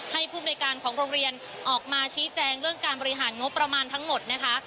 ภูมิในการของโรงเรียนออกมาชี้แจงเรื่องการบริหารงบประมาณทั้งหมดนะคะ